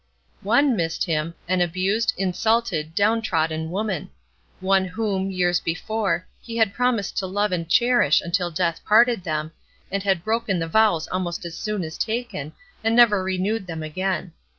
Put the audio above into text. One missed him, an abused, insulted, downtrodden woman. One whom, years before, he had promised to love and cherish until death parted them, and had broken the vows almost as soon as taken, and never renewed them again.